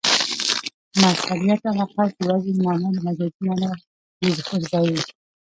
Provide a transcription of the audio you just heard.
مظهریت علاقه؛ چي وضعي مانا د مجازي مانا د ظهور ځای يي.